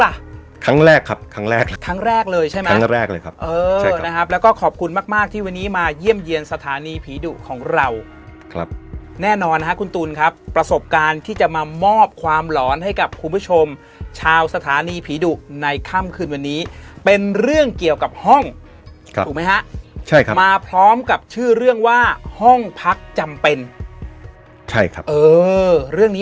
ครั้งแรกครับครั้งแรกครั้งแรกเลยใช่ไหมครั้งแรกแรกเลยครับเออเชิญนะครับแล้วก็ขอบคุณมากมากที่วันนี้มาเยี่ยมเยี่ยมสถานีผีดุของเราครับแน่นอนฮะคุณตูนครับประสบการณ์ที่จะมามอบความหลอนให้กับคุณผู้ชมชาวสถานีผีดุในค่ำคืนวันนี้เป็นเรื่องเกี่ยวกับห้องถูกไหมฮะใช่ครับมาพร้อมกับชื่อเรื่องว่าห้องพักจำเป็นใช่ครับเออเรื่องนี้